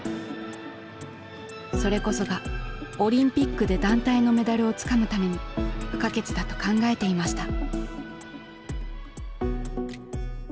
それこそがオリンピックで団体のメダルをつかむために不可欠だと考えていました。